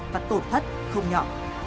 và tổn thất không nhỏ